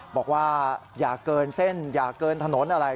บอกว่าอย่าเกินเส้นอย่าเกินถนนอะไร